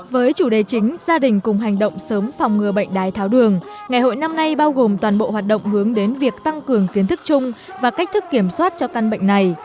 với chủ đề chính gia đình cùng hành động sớm phòng ngừa bệnh đái tháo đường ngày hội năm nay bao gồm toàn bộ hoạt động hướng đến việc tăng cường kiến thức chung và cách thức kiểm soát cho căn bệnh này